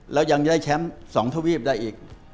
แล้วยังได้แชมป์๒ทวีปได้อีก